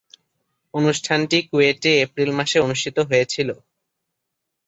অনুষ্ঠানটি কুয়েটে এপ্রিল মাসে অনুষ্ঠিত হয়েছিলো।